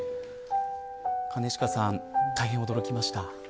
兼近さん、大変驚きました。